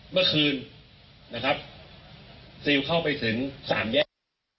เมื่อคืนนะครับซิลเข้าไปถึงสามแยก